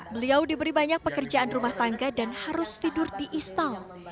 beliau diberi banyak pekerjaan rumah tangga dan harus tidur di istal